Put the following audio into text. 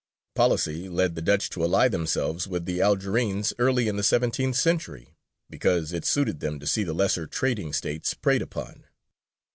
Policy led the Dutch to ally themselves with the Algerines early in the seventeenth century, because it suited them to see the lesser trading States preyed upon.